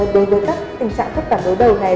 đối với các tình trạng khớp cắn đối đầu này